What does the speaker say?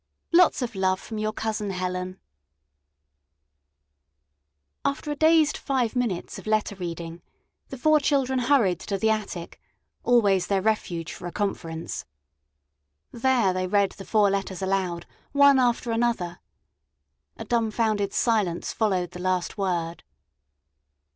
Lots of love from YOUR COUSIN HELEN After a dazed five minutes of letter reading, the four children hurried to the attic always their refuge for a conference. There they read the four letters aloud, one after another. A dumfounded silence followed the last word.